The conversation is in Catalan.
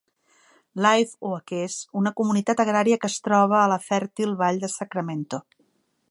Live Oakés una comunitat agrària que es troba a la fèrtil vall de Sacramento.